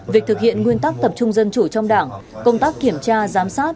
việc thực hiện nguyên tắc tập trung dân chủ trong đảng công tác kiểm tra giám sát